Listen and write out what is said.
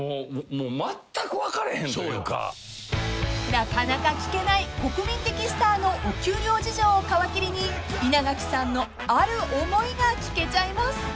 ［なかなか聞けない国民的スターのお給料事情を皮切りに稲垣さんのある思いが聞けちゃいます］